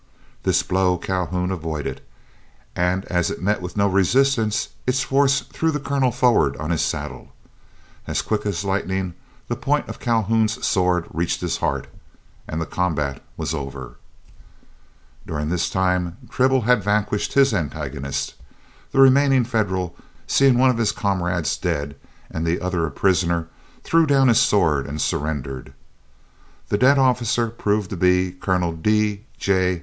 This blow Calhoun avoided, and as it met with no resistance, its force threw the Colonel forward on his saddle. As quick as lightning, the point of Calhoun's sword reached his heart, and the combat was over. [Illustration: THE FORCE OF THE BLOW THREW THE COLONEL FORWARD ON HIS SADDLE.] During this time Tribble had vanquished his antagonist. The remaining Federal, seeing one of his comrades dead and the other a prisoner, threw down his sword and surrendered. The dead officer proved to be Colonel D. J.